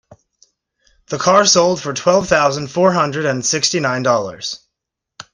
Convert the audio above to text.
The car sold for twelve thousand four hundred and sixty nine dollars.